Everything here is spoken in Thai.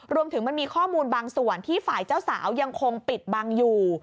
รวมถึงมันมีข้อมูลบางส่วนที่ฝ่ายเจ้าสาวยังคงปิดบังอยู่